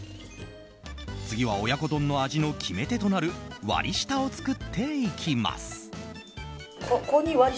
次は親子丼の味の決め手となる割り下を作っていきます。